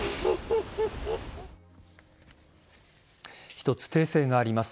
一つ、訂正があります。